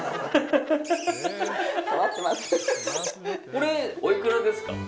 これ、おいくらですか？